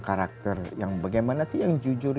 karakter yang bagaimana sih yang jujur